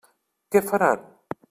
Què faran?